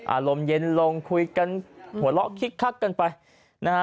อารมณ์เย็นลงข่วงหัวล่อคิกคักกันไปค่ะ